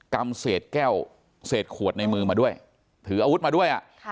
ำเศษแก้วเศษขวดในมือมาด้วยถืออาวุธมาด้วย